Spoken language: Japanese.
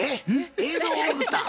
映像を送った？